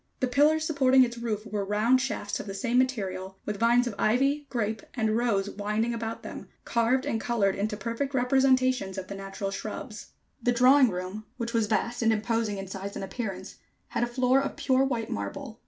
The pillars supporting its roof were round shafts of the same material, with vines of ivy, grape and rose winding about them, carved and colored into perfect representations of the natural shrubs. The drawing room, which was vast and imposing in size and appearance, had a floor of pure white marble.